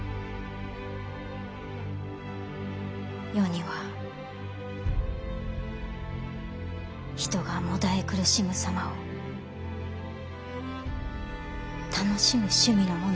世には人がもだえ苦しむ様を楽しむ趣味のものもおるというぞ。